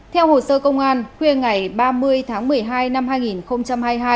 theo hồ sơ công an khuya ngày ba mươi tháng một mươi hai năm hai nghìn hai mươi hai